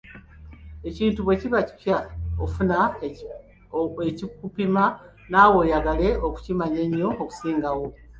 Ekintu bwe kiba kipya, ofuna ekikupina naawe oyagale okukimannya ennyo okusingawo.